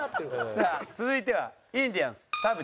さあ続いてはインディアンス田渕。